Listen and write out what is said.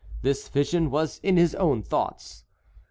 This vision was in his own thoughts.